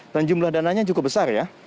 dan jumlah dananya cukup besar ya